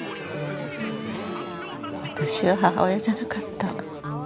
私は母親じゃなかった。